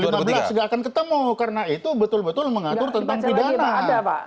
tidak akan ketemu karena itu betul betul mengatur tentang pidana